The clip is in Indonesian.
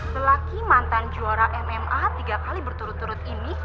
lelaki mantan juara mma tiga kali berturut turut ini